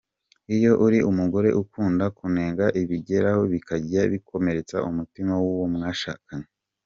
Iyo uri umugore ukunda kunenga bigeraho bikajya bikomeretsa umutima w’uwo mwashakanye .